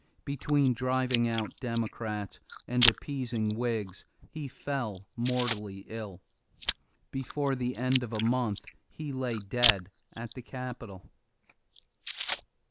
Between driving out Democrats and appeasing Whigs, he fell mortally ill. Before the end of a month he lay dead at the capitol.